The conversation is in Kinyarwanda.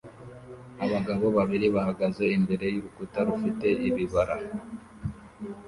Abagabo babiri bahagaze imbere y'urukuta rufite ibibara